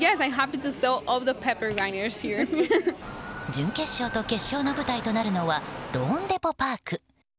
準決勝と決勝の舞台となるのはローンデポ・パーク。